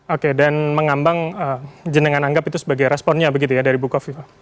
oke dan mengambang jenengan anggap itu sebagai responnya begitu ya dari buko viva